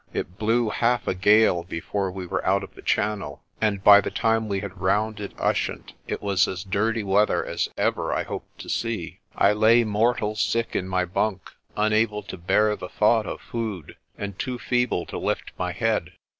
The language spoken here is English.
It blew half a gale before we were out of the Channel, and by the time we had rounded Ushant it was as dirty weather as ever I hope to see. I lay mortal sick in my bunk, unable to bear the thought of food, and too feeble to lift my head.